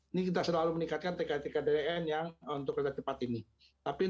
ini kita selalu meningkatkan tkn tkdn yang untuk kereta cepat ini